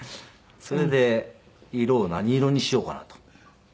それで色を何色にしようかなと。